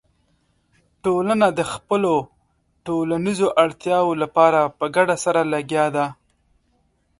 ټولنه د خپلو ټولنیزو اړتیاوو لپاره په ګډه سره لګیا ده.